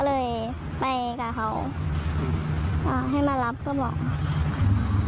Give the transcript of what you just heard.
เลยไปกับเขาอ่าให้มารับก็บอก